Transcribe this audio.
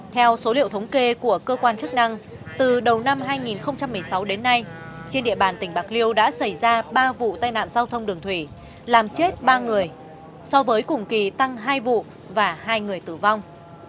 theo số liệu thống kê của cơ quan chức năng từ đầu năm hai nghìn một mươi sáu đến nay trên địa bàn tỉnh bạc liêu đã xảy ra ba vụ tai nạn giao thông đường thủy làm chết ba người so với cùng kỳ tăng hai vụ và hai người tử vong